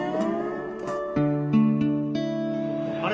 あれ？